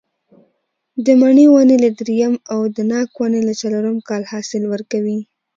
د مڼې ونې له درېیم او د ناک ونې له څلورم کال حاصل ورکوي.